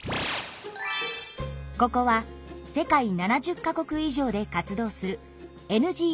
ここは世界７０か国以上で活動するＮＧＯの日本事務所です。